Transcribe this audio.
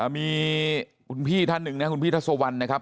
มีคุณพี่ท่านหนึ่งนะคุณพี่ทัศวรรณนะครับ